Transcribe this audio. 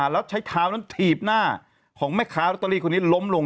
แล้วใช้ขาวนั้นถีบหน้าของแม่ค้าฆ์นี่ล้มลง